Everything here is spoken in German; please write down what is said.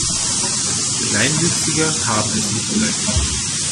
Kleinwüchsige haben es nicht leicht.